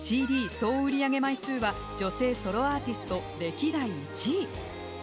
総売上枚数は女性ソロアーティスト歴代１位。